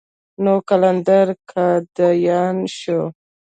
نو قلندر قادياني شو.